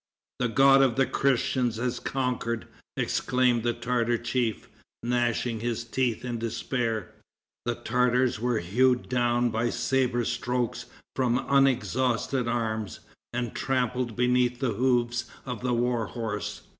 "The God of the Christians has conquered," exclaimed the Tartar chief, gnashing his teeth in despair. The Tartars were hewed down by saber strokes from unexhausted arms, and trampled beneath the hoofs of the war horse.